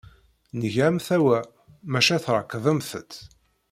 Nga amtawa, maca trekḍemt-t.